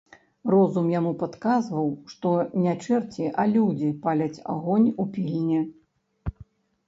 Розум яму падказваў, што не чэрці, а людзі паляць агонь у пільні.